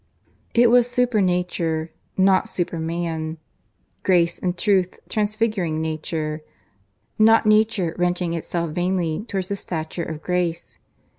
It was supernature, not superman; grace and truth transfiguring nature; not nature wrenching itself vainly towards the stature of grace.